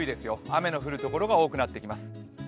雨の降る所が多くなってきます。